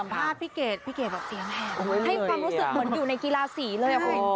ถ้าพี่เกดแบบเสียงแห่งให้ความรู้สึกเหมือนอยู่ในกีฬาศรีเลยครับคุณ